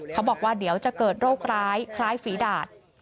เขาบอกว่าเดี๋ยวจะเกิดโรคร้ายคล้ายฝีดาด